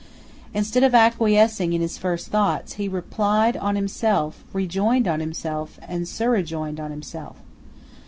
Instead of acquiescing in his first thoughts, he replied on himself, rejoined on himself, and surrejoined on himself.